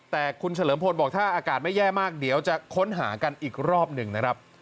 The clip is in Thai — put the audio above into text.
แต่คุณเฉลิมพลบอกถ้าอากาศไม่แย่มากเดี๋ยวจะค้นหากันอีกรอบหนึ่งนะครับ